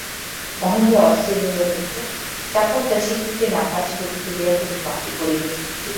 মহেন্দ্র অস্থির হইয়া বলিত, চাকর-দাসীগুলাকে না কাজ করিতে দিয়া তুমি মাটি করিবে দেখিতেছি।